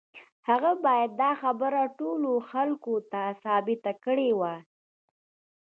هغه بايد دا خبره ټولو خلکو ته ثابته کړې وای.